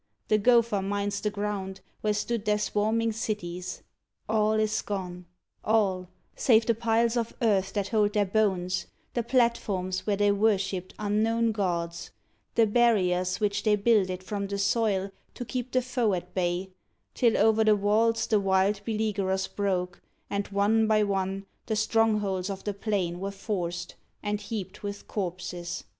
The gopher mines the ground Where stood their swarming cities. All is gone All save the piles of earth that hold their bones The platforms where they worshipped unknown gods The barriers which they builded from the soil To keep the foe at bay till o'er the walls The wild beleaguerers broke, and, one by one, The strongholds of the plain were forced, and heaped With corpses.